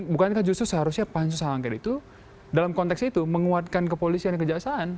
bukankah justru seharusnya pansus hak angket itu dalam konteks itu menguatkan kepolisian dan kejaksaan